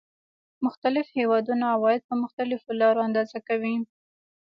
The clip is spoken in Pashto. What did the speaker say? مختلف هېوادونه عواید په مختلفو لارو اندازه کوي